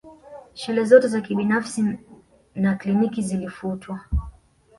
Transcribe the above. Shule zote za kibinafsi na kliniki zilifutwa